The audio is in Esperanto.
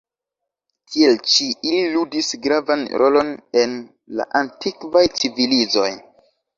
Tiel ĉi, ili ludis gravan rolon en la antikvaj civilizoj.